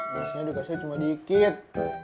harusnya dikasih cuma dikit